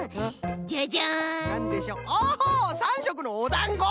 お３しょくのおだんご！